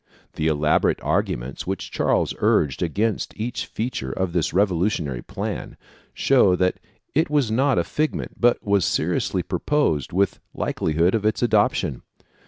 The elaborate arguments which Charles urged against each feature of this revolutionary plan show that it was not a figment but was seriously proposed with likelihood of its adoption.